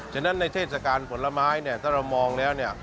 ฉะนั้นในเทศกาลผลไม้ถ้าเรามองแล้ว